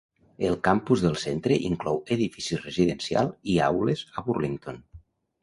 El campus del centre inclou edificis residencials i aules a Burlington.